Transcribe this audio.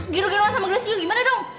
gilu giluan sama gelesiu gimana dong